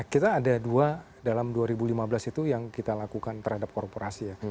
kita ada dua dalam dua ribu lima belas itu yang kita lakukan terhadap korporasi ya